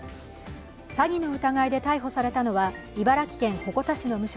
詐欺の疑いで逮捕されたのは茨城県鉾田市の